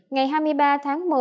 ngày hai mươi ba tháng một mươi